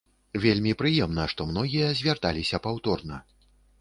Вельмі прыемна, што многія звярталіся паўторна.